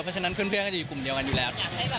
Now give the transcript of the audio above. เพราะฉะนั้นเพื่อนก็จะอยู่กลุ่มเดียวกันอยู่แล้ว